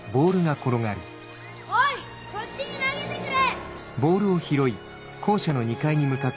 こっちに投げてくれ！